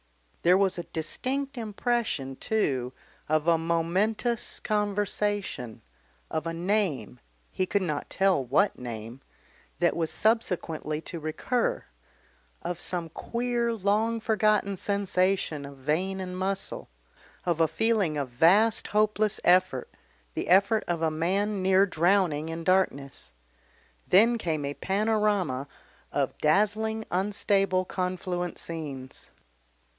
There was a distinct impression, too, of a momentous conversation, of a name he could not tell what name that was subsequently to recur, of some queer long forgotten sensation of vein and muscle, of a feeling of vast hopeless effort, the effort of a man near drowning in darkness. Then came a panorama of dazzling unstable confluent scenes....